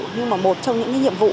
nhưng mà một trong những cái nhiệm vụ